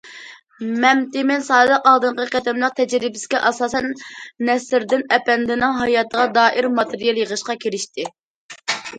مەمتىمىن سادىق ئالدىنقى قېتىملىق تەجرىبىسىگە ئاساسەن، نەسىردىن ئەپەندىنىڭ ھاياتىغا دائىر ماتېرىيال يىغىشقا كىرىشتى.